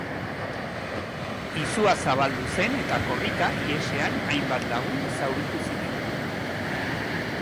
Izua zabaldu zen eta korrika, ihesean, hainbat lagun zauritu ziren.